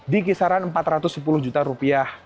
di kisaran empat ratus sepuluh juta rupiah